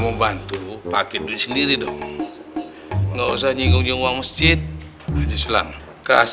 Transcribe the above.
mau bantu pakai duit sendiri dong nggak usah nyinggung uang masjid aja sulam khas